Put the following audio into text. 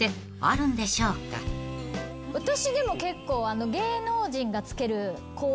私でも結構。